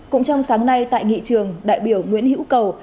cũng trong sáng nay tại nghị trường đại biểu nguyễn hữu cầu